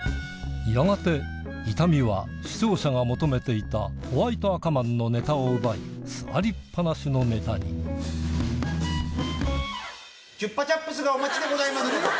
やがて痛みは視聴者が求めていたホワイト赤マンのネタを奪い座りっ放しのネタにチュッパチャプスがお待ちでございます。